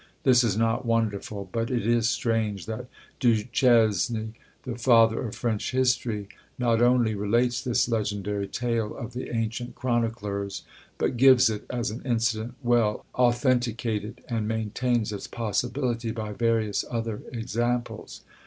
This is not wonderful; but it is strange that Du Chesne, the father of French history, not only relates this legendary tale of the ancient chroniclers, but gives it as an incident well authenticated, and maintains its possibility by various other examples.